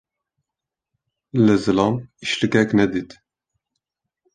Li zilam îşlikek nedît.